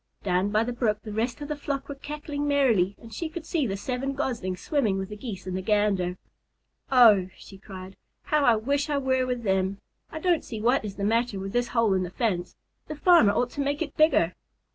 Down by the brook the rest of the flock were cackling merrily, and she could see the seven Goslings swimming with the Geese and the Gander. "Oh," she cried, "how I wish I were with them! I don't see what is the matter with this hole in the fence. The farmer ought to make it bigger."